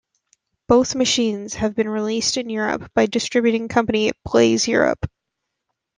Both machines have been released in Europe by distributing company Blaze Europe.